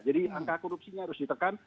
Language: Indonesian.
angka korupsinya harus ditekan